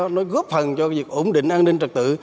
nó góp phần cho việc ổn định an ninh trật tự